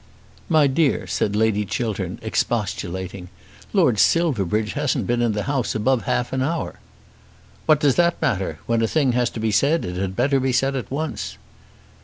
"My dear," said Lady Chiltern expostulating, "Lord Silverbridge hasn't been in the house above half an hour." "What does that matter? When a thing has to be said it had better be said at once."